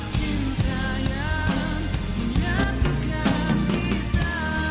cinta yang menyatukan kita